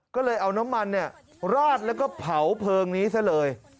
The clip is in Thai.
ก็เลยเอาน้ำมันราดแล้วก็เผาเพลิงนี้ซะเลย